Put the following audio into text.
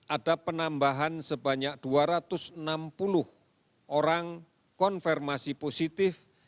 ada penambahan sebanyak dua ratus enam puluh orang konfirmasi positif